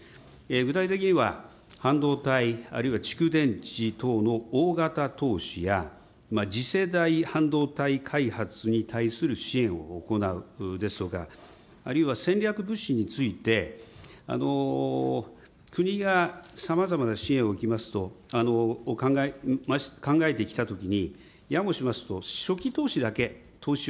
具体的には半導体あるいは蓄電池等の大型投資や、次世代半導体開発に対する支援を行うですとか、あるいは戦略物資について、国がさまざまな支援を考えてきたときに、や